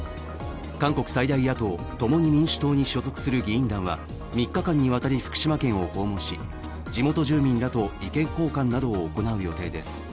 韓国最大野党、共に民主党に所属する議員団は３日間にわたり福島県を訪問し地元住民らと意見交換などを行う予定です。